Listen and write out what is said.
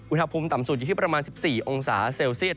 อุณหภูมิต่ำสุดอยู่ที่ประมาณ๑๔องศาเซลเซียต